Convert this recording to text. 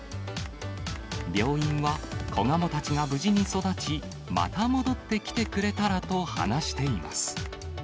病院は子ガモたちが無事に育ち、また戻ってきてくれたらと話しています。